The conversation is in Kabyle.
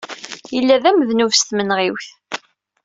Yella d amednub s tmenɣiwt.